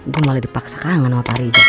gua malah dipaksa kangen sama pak rija